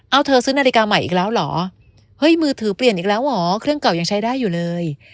เอาเธอซื้อนาฬิกาใหม่อีกแล้วเหรอเฮ้ยมือถือเปลี่ยนอีกแล้วเหรอเครื่องเก่ายังใช้ได้อยู่เลย